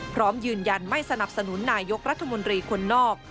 พร้อมยืนยันไม่สนับสนุนนายกรัฐมนตรีคนนอก